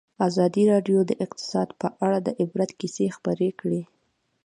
ازادي راډیو د اقتصاد په اړه د عبرت کیسې خبر کړي.